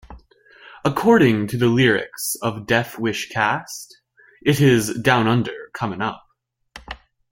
According to the lyrics of Def Wish Cast, it is down under, comin' up.